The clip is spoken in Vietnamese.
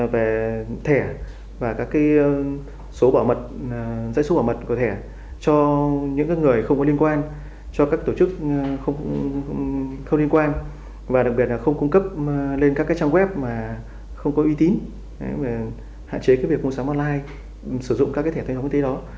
về thẻ và các số bảo mật giấy số bảo mật của thẻ cho những người không có liên quan cho các tổ chức không liên quan và đặc biệt là không cung cấp lên các trang web mà không có uy tín hạn chế việc mua sắm online sử dụng các thẻ thanh toán công ty đó